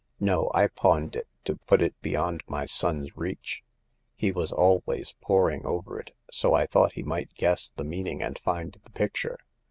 No, I pawned it to put it beyond my son's reach. He was always poring over it, so I thought he might guess the meaning and find the picture."